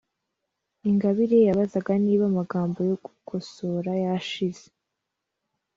Ingabire yabazaga nimba amagambo yo gukosora yashize